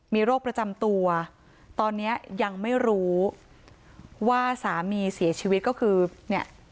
มีโรคประจำตัวตอนนี้ยังไม่รู้ว่าสามีเสียชีวิตก็คือเนี่ย